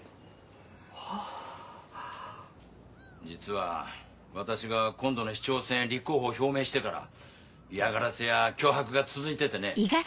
実は私が今度の市長選へ立候補を表明してから嫌がらせや脅迫が続いててね。